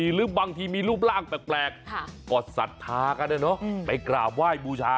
หรือบางทีมีรูปร่างแปลกก็ศรัทธากันนะเนาะไปกราบไหว้บูชา